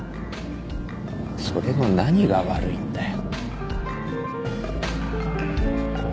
それの何が悪いんだよ。